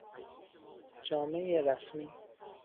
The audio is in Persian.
جامهی رسمی